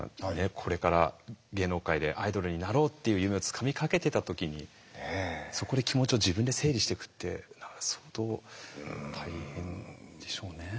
これから芸能界でアイドルになろうっていう夢をつかみかけてた時にそこで気持ちを自分で整理してくって相当大変でしょうね。